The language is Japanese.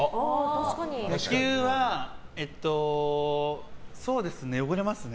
野球はそうですね汚れますね。